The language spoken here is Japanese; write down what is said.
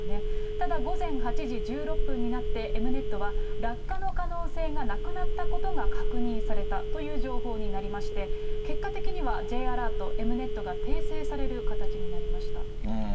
ただ午前８時１６分になって、エムネットは、落下の可能性がなくなったことが確認されたという情報になりまして、結果的にはＪアラート、エムネットが訂正される形になりました。